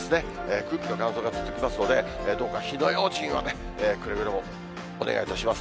空気の乾燥が続きますので、どうか火の用心をね、くれぐれもお願いいたします。